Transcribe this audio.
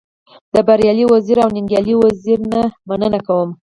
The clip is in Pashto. د بريالي وزيري او ننګيالي وزيري نه مننه کوم.